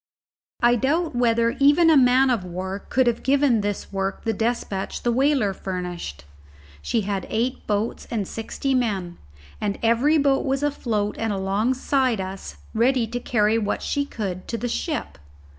I doubt whether even a man of war could have given this work the despatch the whaler furnished. She had eight boats and sixty men, and every boat was afloat and alongside us ready to carry what she could to the ship.